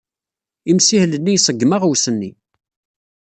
Imsihel-nni iṣeggem aɣwes-nni.